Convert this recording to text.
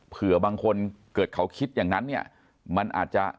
เผื่อบางคนเกิดเขาคิดอย่างนั้นเนี่ยมันอาจจะ